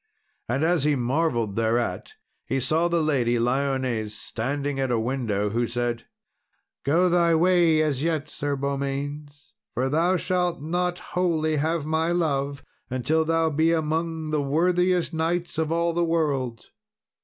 And as he marvelled thereat, he saw the Lady Lyones standing at a window, who said, "Go thy way as yet, Sir Beaumains, for thou shalt not wholly have my love until thou be among the worthiest knights of all the world.